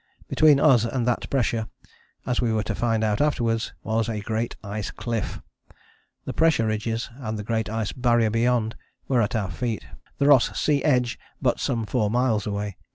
Between us and that pressure, as we were to find out afterwards, was a great ice cliff. The pressure ridges, and the Great Ice Barrier beyond, were at our feet; the Ross Sea edge but some four miles away.